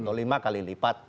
atau lima kali lipat